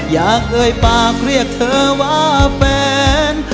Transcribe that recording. เอ่ยปากเรียกเธอว่าแฟน